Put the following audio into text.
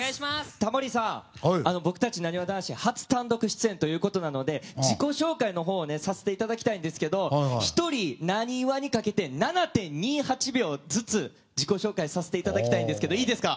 タモリさん僕たち、なにわ男子初単独出演ということなので自己紹介のほうをさせていただきたいんですけど１人なにわにかけて７．２８秒ずつ自己紹介させていただきたいんですけどいいですか？